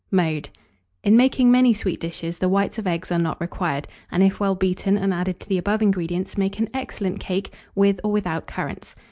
Mode, In making many sweet dishes, the whites of eggs are not required, and if well beaten and added to the above ingredients, make an excellent cake, with or without currants.